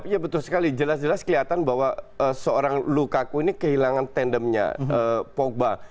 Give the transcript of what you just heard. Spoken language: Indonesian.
ya betul sekali jelas jelas kelihatan bahwa seorang lukaku ini kehilangan tandemnya pogba